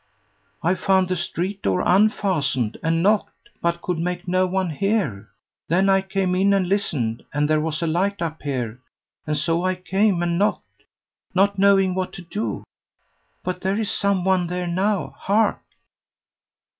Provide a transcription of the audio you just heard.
"I found the street door unfastened, and knocked, but could make no one hear; then I came in and listened, and there was a light up here, and so I came and knocked, not knowing what to do; but there is some one there now hark!"